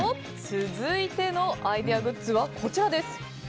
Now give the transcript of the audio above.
続いてのアイデアグッズはこちらです。